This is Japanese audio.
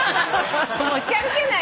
持ち歩けないよ。